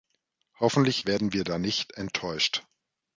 Hoffentlich werden wir da nicht enttäuscht.